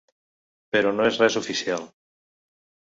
Però no és res oficial.